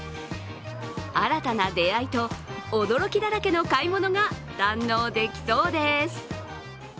新たな出会いと驚きだらけの買い物が堪能できそうです。